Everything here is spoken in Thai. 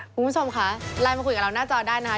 คุณผู้ชมคะไลน์มาคุยกับเราหน้าจอได้นะคะ